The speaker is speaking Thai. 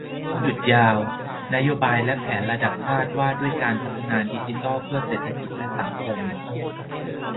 อ่านช่วงหยุดยาว 'นโยบายและแผนระดับชาติ ว่าด้วยการพัฒนาดิจิทัลเพื่อเศรษฐกิจและสังคม'